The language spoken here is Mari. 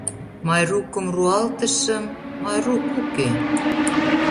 Майрукым руалтышым — Майрук уке!